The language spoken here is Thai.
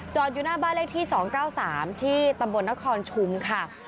อยู่หน้าบ้านเลขที่๒๙๓ที่ตำบลนครชุมค่ะ